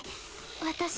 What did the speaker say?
私